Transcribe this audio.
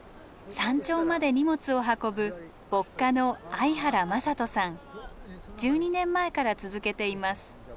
山頂まで荷物を運ぶ１２年前から続けています。